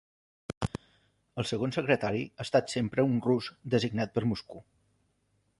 El segon secretari ha estat sempre un rus designat per Moscou.